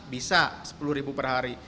bisa sepuluh ribu per hari